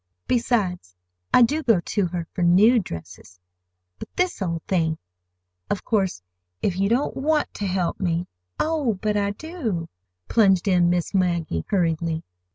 Besides, I do go to her for new dresses. But this old thing—! Of course, if you don't want to help me—" "Oh, but I do," plunged in Miss Maggie hurriedly.